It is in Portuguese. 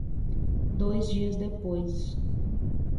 Dois dias depois